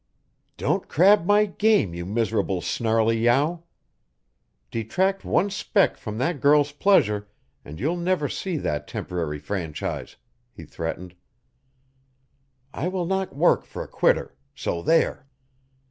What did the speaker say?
"Don't crab my game, you miserable snarley yow. Detract one speck from that girl's pleasure, and you'll never see that temporary franchise," he threatened. "I will not work for a quitter so, there!"